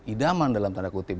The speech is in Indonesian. idaman dalam tanda kutip